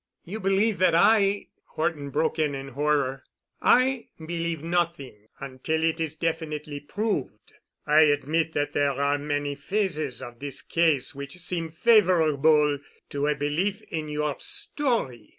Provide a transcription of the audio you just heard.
"You believe that I——" Horton broke in in horror. "I believe nothing until it is definitely proved. I admit that there are many phases of this case which seem favorable to a belief in your story.